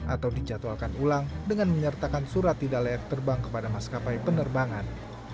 atau dijadwalkan ulang dengan menyertakan surat tidak layak terbang kepada maskapai penerbangan